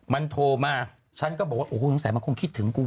มันโทรมาฉันก็บอกว่าโอ้โหสงสัยมันคงคิดถึงกู